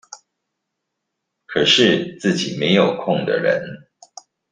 可是自己沒有空的人